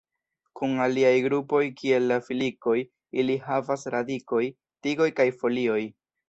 Kun aliaj grupoj, kiel la filikoj, ili havas radikoj, tigoj kaj folioj.